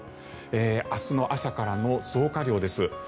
明日の朝からの増加量です。